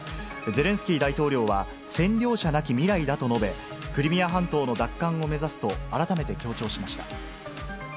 ゼレンスキー大統領は、占領者なき未来だと述べ、クリミア半島の奪還を目指すと改めて強調しました。